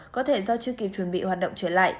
có thể do chưa kịp chuẩn bị hoạt động trở lại